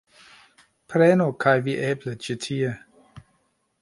Prenu kaj vi eble ĉi tie